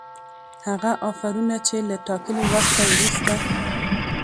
هغه آفرونه چي له ټاکلي وخته وروسته